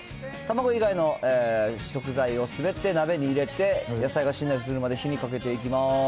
卵以外の食材をすべて鍋に入れて、野菜がしんなりするまで、火にかけていきます。